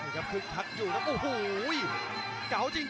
จังหวาดึงซ้ายตายังดีอยู่ครับเพชรมงคล